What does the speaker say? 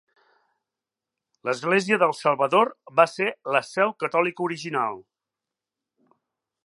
L'Església del Salvador va ser la seu catòlica original.